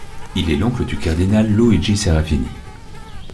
Il est l'oncle du cardinal Luigi Serafini.